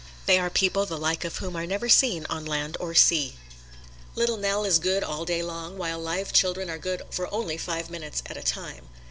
They are people the like of whom are never seen on land or sea. Little Nell is good all day long, while live children are good for only five minutes at a time.